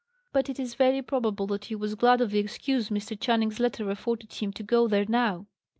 But it is very probable that he was glad of the excuse Mr. Channing's letter afforded him to go there now.